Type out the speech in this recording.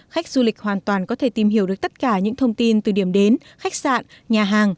khách du lịch hoàn toàn có thể tìm hiểu được tất cả những thông tin từ điểm đến khách sạn nhà hàng